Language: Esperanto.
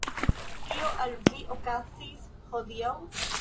Kio al vi okazis hodiaŭ?